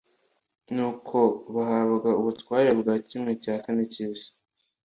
Nuko bahabwa ubutware bwa kimwe cya kane cy’isi,